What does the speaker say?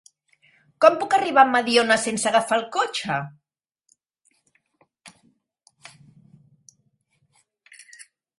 Com puc arribar a Mediona sense agafar el cotxe?